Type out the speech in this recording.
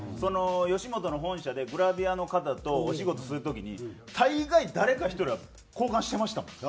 吉本の本社でグラビアの方とお仕事する時に大概誰か１人は交換してましたもん。